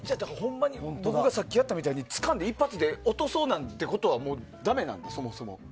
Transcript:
僕がさっきやったみたいにつかんで一発で落とそうなんてことはダメなんですか、そもそも。